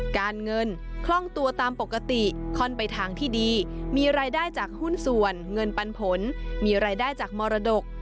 การเงินคล่องตัวตามปกติค่อนไปทางที่ดีมีรายได้จากหุ้นส่วนเงินปันผลมีรายได้จากมรดก